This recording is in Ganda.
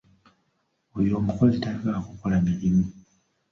Oyo omukozi tayagala kukola mirimu.